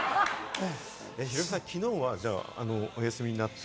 ヒロミさん、きのうはお休みになって？